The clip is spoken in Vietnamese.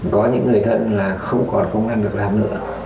có những người thân là không còn công an việc làm nữa